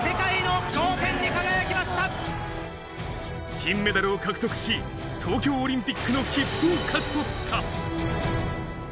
金メダルを獲得し、東京オリンピックの切符を勝ち取った。